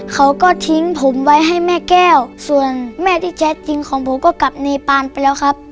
เขาก็ทิ้งผมไว้ให้แม่แก้วส่วนแม่ที่แท้จริงของผมก็กลับเนปานไปแล้วครับ